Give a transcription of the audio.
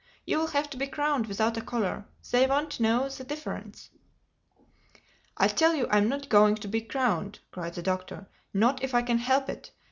"You will have to be crowned without a collar. They won't know the difference." "I tell you I'm not going to be crowned," cried the Doctor—"not if I can help it.